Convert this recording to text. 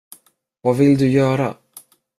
Vad vill du göra?